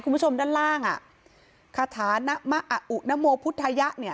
คุณผู้ชมด้านล่างอ่ะคาถานะมะอุณโมพุทธยะเนี่ย